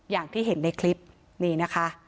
อย่างที่เห็นในคลิปนี่นะคะ